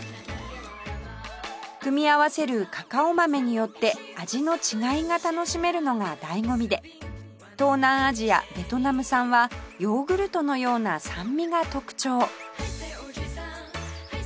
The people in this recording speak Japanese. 組み合わせるカカオ豆によって味の違いが楽しめるのが醍醐味で東南アジアベトナム産はヨーグルトのような酸味が特徴